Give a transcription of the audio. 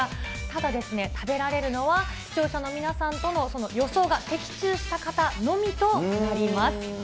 ただですね、食べられるのは、視聴者の皆さんとの予想が的中した方のみとなります。